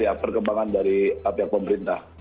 kita tunggu ya perkembangan dari pihak pemerintah